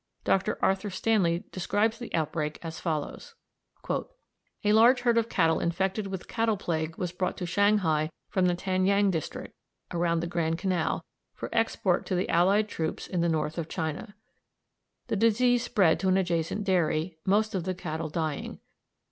Dr. Arthur Stanley describes the outbreak as follows: "A large herd of cattle infected with cattle plague was brought to Shanghai from the Tanyang district, around the Grand Canal, for export to the allied troops in the north of China. The disease spread to an adjacent dairy, most of the cattle dying.